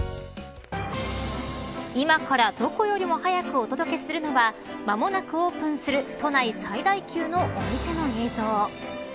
今からどこよりも早くお届けするのは間もなくオープンする都内最大級のお店の映像。